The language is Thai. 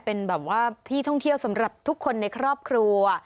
เป็นแบบว่าที่ท่องเที่ยวสำหรับทุกคนในครอบครัว